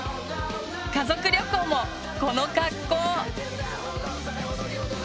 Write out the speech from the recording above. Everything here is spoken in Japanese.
家族旅行もこの格好！